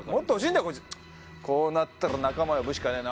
こうなったら仲間呼ぶしかねえな。